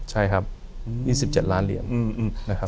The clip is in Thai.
ใช่ครับ๒๗ล้านเหรียญนะครับ